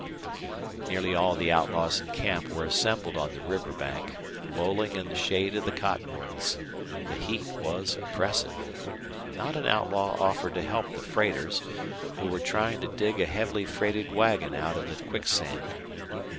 Nearly all the outlaws in camp were assembled on the riverbank, lolling in the shade of the cottonwoods. The heat was oppressive. Not an outlaw offered to help the freighters, who were trying to dig a heavily freighted wagon out of the quicksand.